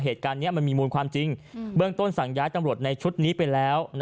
เหตุการณ์นี้มันมีมูลความจริงเบื้องต้นสั่งย้ายตำรวจในชุดนี้ไปแล้ว